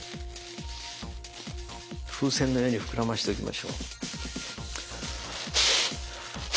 風船のようにふくらましておきましょう。